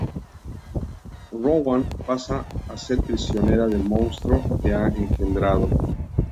Rowan pasa a ser prisionera del monstruo que ha engendrado.